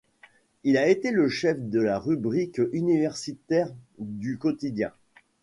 Il a été le chef de la rubrique universitaire du quotidien.